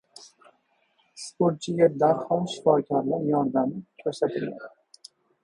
Sportchiga darhol shifokorlar yordami ko‘rsatilgan